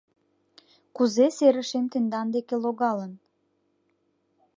— Кузе серышем тендан деке логалын?